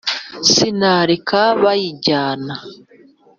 sinareka bayijyana